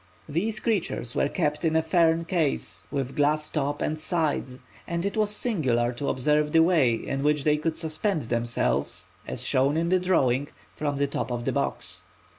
These creatures were kept in a fern case with glass top and sides, and it was singular to observe the way in which they could suspend themselves (as shown in the drawing) from the top of the box.